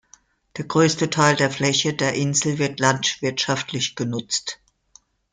Der größte Teil der Fläche der Insel wird landwirtschaftlich genutzt.